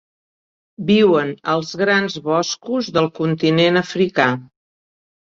Viuen als grans boscos del continent africà.